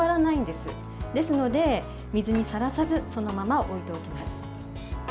ですので、水にさらさずそのまま置いておきます。